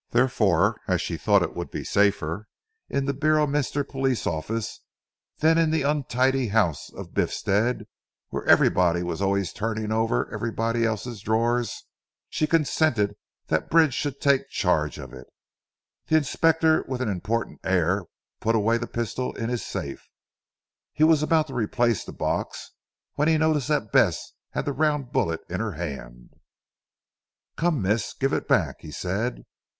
Therefore as she thought it would be safer in the Beorminster police office than in the untidy house of Biffstead where everybody was always turning over everybody else's drawers she consented that Bridge should take charge of it. The Inspector with an important air put away the pistol in his safe. He was about to replace the box, when he noticed that Bess had the round bullet in her hand. "Come Miss give it back?" he said.